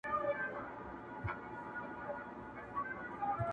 ساقي وه را بللي رقیبان څه به کوو؟؛